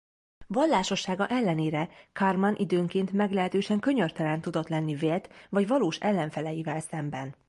Vallásossága ellenére Karlmann időnként meglehetősen könyörtelen tudott lenni vélt vagy valós ellenfeleivel szemben.